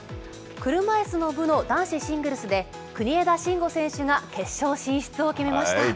車いすの部の男子シングルスで、国枝慎吾選手が決勝進出を決めました。